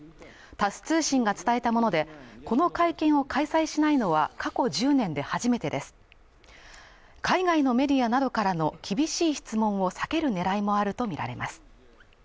タス通信が伝えたものでこの会見を開催しないのは過去１０年で初めてです海外のメディアなどからの厳しい質問を避けるねらいもあるとみられます